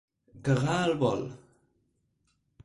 Cagar al vol.